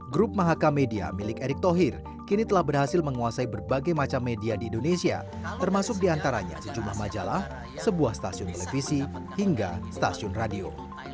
grup mahaka media milik erick thohir kini telah berhasil menguasai berbagai macam media di indonesia termasuk diantaranya sejumlah majalah sebuah stasiun televisi hingga stasiun radio